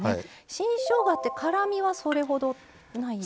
新しょうがって辛みはそれほどないですか？